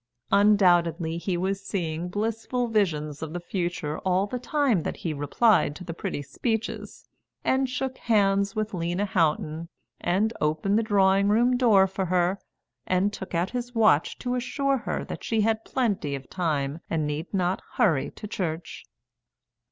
Undoubtedly, he was seeing blissful visions of the future all the time that he replied to the pretty speeches, and shook hands with Lena Houghton, and opened the drawing room door for her, and took out his watch to assure her that she had plenty of time and need not hurry to church.